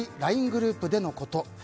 ＬＩＮＥグループでのこと。